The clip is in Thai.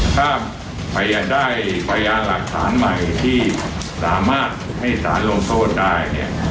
ถ้าพยายามได้พยานหลักฐานใหม่ที่สามารถให้สารลงโทษได้เนี่ย